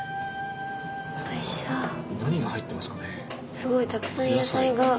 すごいたくさん野菜が。